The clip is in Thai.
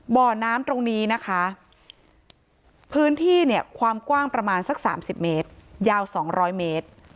บ่อน้ำตรงนี้นะคะพื้นที่เนี่ยความกว้างประมาณสัก๓๐เมตรยาว๒๐๐เมตร